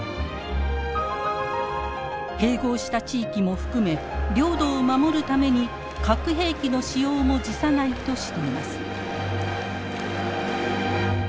併合した地域も含め領土を守るために核兵器の使用も辞さないとしています。